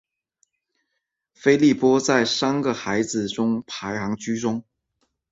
菲利波在三个孩子中排行居中。